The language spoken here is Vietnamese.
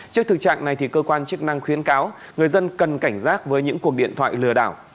trước thực trạng này cơ quan chức năng khuyến cáo người dân cần cảnh giác với những cuộc điện thoại lừa đảo